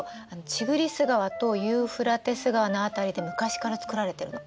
ティグリス川とユーフラテス川の辺りで昔から作られてるの。